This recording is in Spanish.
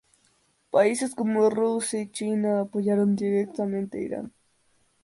Países como Rusia y China apoyaron directamente a Irán.